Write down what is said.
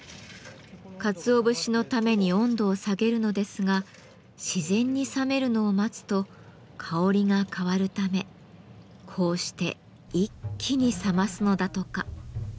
かつお節のために温度を下げるのですが自然に冷めるのを待つと香りが変わるためこうして一気に冷ますのだとか。